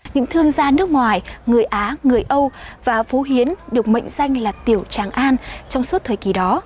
những thương gia nước ngoài người á người âu và phú hiến được mệnh danh là tiểu tràng an trong suốt thời kỳ đó